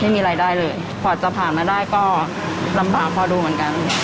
ไม่มีรายได้เลยกว่าจะผ่านมาได้ก็ลำบากพอดูเหมือนกัน